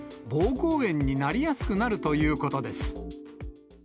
膀胱炎になりやすくなるということです。